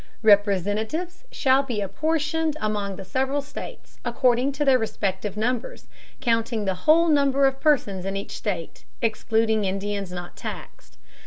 Representatives shall be apportioned among the several States according to their respective numbers, counting the whole number of persons in each State, excluding Indians not taxed.